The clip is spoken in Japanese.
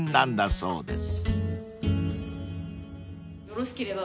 そうです。